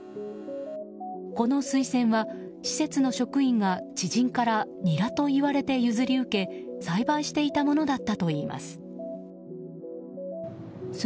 このスイセンは施設の職員が知人からニラと言われて譲り受け栽培していたものだったといいます。